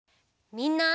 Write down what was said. みんな！